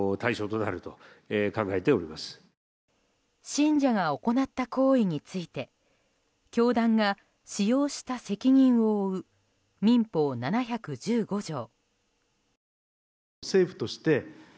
信者が行った行為について教団が使用した責任を負う民法７１５条。